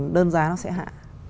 đơn giá nó sẽ hạ